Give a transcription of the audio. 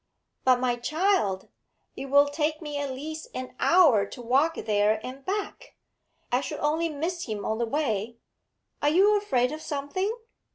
But, my child, it will take me at least an hour to walk there and back! I should only miss him on the way. Are you afraid of something?